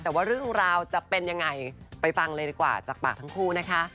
แต่ว่าเรื่องราวจะเป็นยังไงไปฟังเลยดีกว่าจากปากทั้งคู่นะคะ